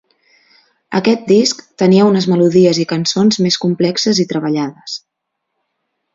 Aquest disc tenia unes melodies i cançons més complexes i treballades.